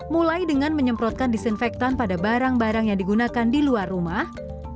mulai dengan menyemprotkan disinfektan pada barang barang yang digunakan di luar rumah